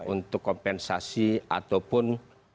untuk kompensasi ataupun